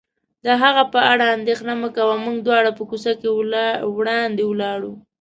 د هغه په اړه اندېښنه مه کوه، موږ دواړه په کوڅه کې وړاندې ولاړو.